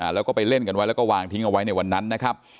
แล้วก็ไปเล่นกันไว้แล้วก็วางทิ้งเอาไว้ในวันนั้นนะครับ